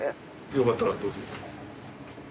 よかったらどうぞ。